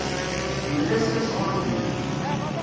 Mel-as tasɣunt-nni.